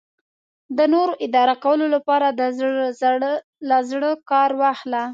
د نورو اداره کولو لپاره له زړه کار واخله.